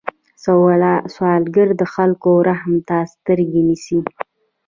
سوالګر د خلکو رحم ته سترګې نیسي